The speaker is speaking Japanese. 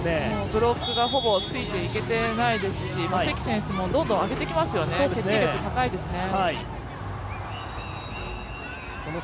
ブロックがほぼついていけてないですし関選手もどんどん上げてきますよね、決定力高いですね。